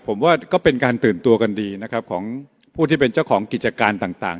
ผมว่าก็เป็นการตื่นตัวกันดีนะครับของผู้ที่เป็นเจ้าของกิจการต่าง